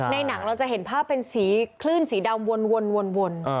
หนังเราจะเห็นภาพเป็นสีคลื่นสีดำวน